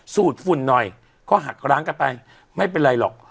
สูตรฝุ่นหน่อยก็หักร้างกันไปไม่เป็นไรหรอก